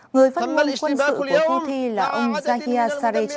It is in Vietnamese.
người phát ngôn quân sự của houthi là ông zahir saleh